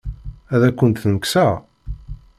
Ad akent-tent-kkseɣ?